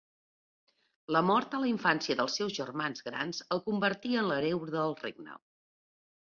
La mort a la infància dels seus germans grans el convertí en l'hereu del regne.